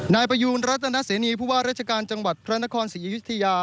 นายประยูณรัฐนาเสนีผู้ว่าราชการจังหวัดพระนครศรีอยุธยา